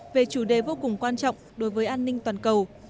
về chủ đề vô cùng quan trọng đối với an ninh toàn cầu